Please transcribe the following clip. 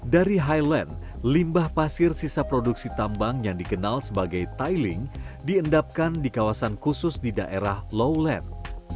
dari highland limbah pasir sisa produksi tambang yang dikenal sebagai tiling diendapkan di kawasan khusus di daerah lowland